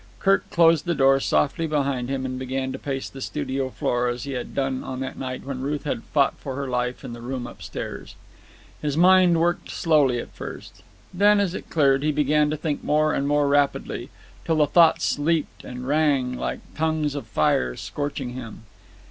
Kirk closed the door softly behind him and began to pace the studio floor as he had done on that night when Ruth had fought for her life in the room upstairs. His mind worked slowly at first. Then, as it cleared, he began to think more and more rapidly, till the thoughts leaped and ran like tongues of fire scorching him.